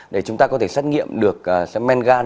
để chúng ta có thể xét nghiệm được smen gan